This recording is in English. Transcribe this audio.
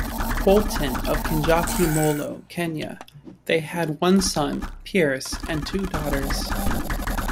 Poulton of Kenjockety, Molo, Kenya; they had one son, Piers and two daughters.